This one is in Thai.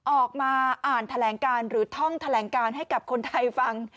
ออกมาอ่านแถลงการหรือท่องแถลงการให้กับคนไทยฟัง